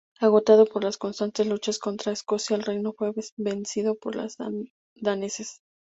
Agotado por las constantes luchas contra Escocia, el reino fue vencido por los daneses.